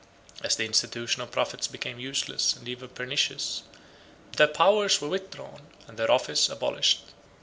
107 As the institution of prophets became useless, and even pernicious, their powers were withdrawn, and their office abolished.